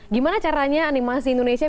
gimana caranya animasi indonesia